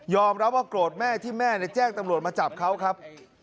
รับว่าโกรธแม่ที่แม่แจ้งตำรวจมาจับเขาครับ